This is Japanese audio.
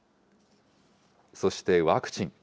そしてワクチン。